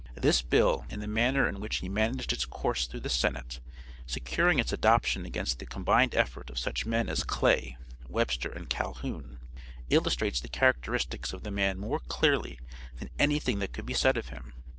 This bill and the manner in which he managed its course through the senate, securing its adoption against the combined effort of such men as Clay, Webster and Calhoun illustrates the characteristics of the man more clearly than anything that could be said of him.